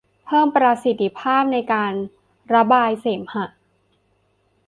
เพิ่มประสิทธิภาพในการระบายเสมหะ